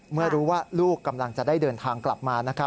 เมื่อรู้ว่าลูกกำลังจะได้เดินทางกลับมา